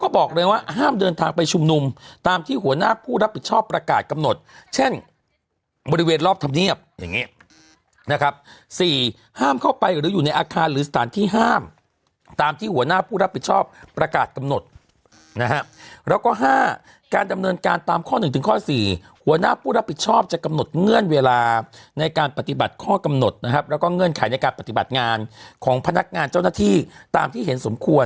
บริเวณรอบทำเนียบอย่างงี้นะครับสี่ห้ามเข้าไปหรืออยู่ในอาคารหรือสถานที่ห้ามตามที่หัวหน้าผู้รับผิดชอบประกาศกำหนดนะครับแล้วก็ห้าการดำเนินการตามข้อหนึ่งถึงข้อสี่หัวหน้าผู้รับผิดชอบจะกำหนดเงื่อนเวลาในการปฏิบัติข้อกำหนดนะครับแล้วก็เงื่อนไขในการปฏิบัติงานของพนักงาน